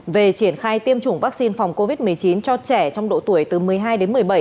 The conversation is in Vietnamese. về triển khai tiêm chủng vaccine phòng covid một mươi chín cho trẻ trong độ tuổi từ một mươi hai đến một mươi bảy